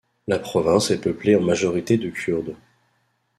La province est peuplée en majorité de Kurdes.